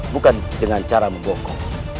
bukan dengan cara membokong